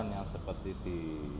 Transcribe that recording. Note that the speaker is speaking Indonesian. yang seperti di